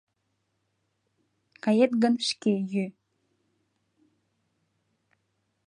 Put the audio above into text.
— Кает гын, шке йӱ.